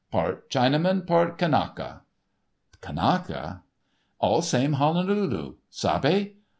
"Part Chinaman, part Kanaka." "Kanaka?" "All same Honolulu. Sabe?